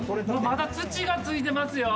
まだ土が付いてますよ。